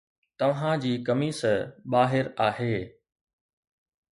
توهان جي قميص ٻاهر آهي